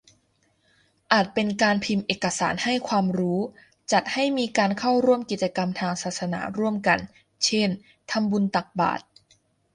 อาจเป็นการพิมพ์เอกสารให้ความรู้ จัดให้มีการเข้าร่วมกิจกรรมทางศาสนาร่วมกัน เช่น ทำบุญตักบาตร